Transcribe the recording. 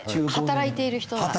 働いている人。